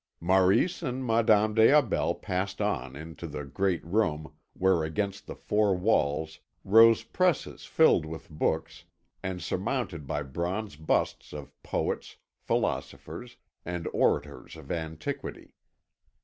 Maurice and Madame des Aubels passed on into the great room where against the four walls rose presses filled with books and surmounted by bronze busts of poets, philosophers, and orators of antiquity.